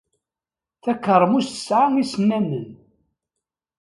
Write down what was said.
Takermust tesɛa isennanen.